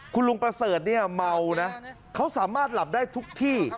คุณลุงประเสริฐเนี่ยเมานะเขาสามารถหลับได้ทุกที่